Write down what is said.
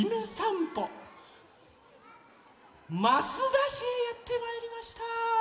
益田市へやってまいりました。